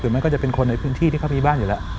มันก็จะเป็นคนในพื้นที่ที่เขามีบ้านอยู่แล้ว